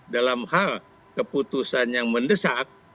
dalam hal keputusan yang mendesak